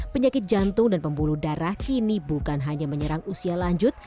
penyakit jantung dan pembuluh darah kini bukan hanya menyerang usia lanjut